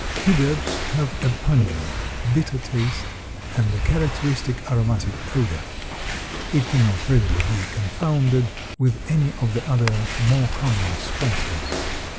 Cubebs have a pungent, bitter taste and a characteristic aromatic odor. It cannot readily be confounded with any of the other more common spices.